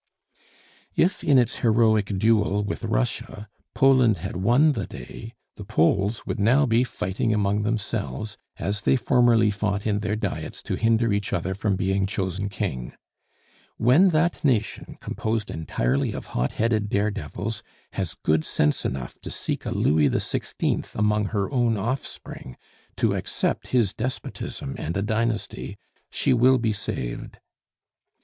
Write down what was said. If, in its heroic duel with Russia, Poland had won the day, the Poles would now be fighting among themselves, as they formerly fought in their Diets to hinder each other from being chosen King. When that nation, composed entirely of hot headed dare devils, has good sense enough to seek a Louis XI. among her own offspring, to accept his despotism and a dynasty, she will be saved.